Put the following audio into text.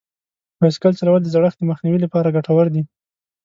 بایسکل چلول د زړښت د مخنیوي لپاره ګټور دي.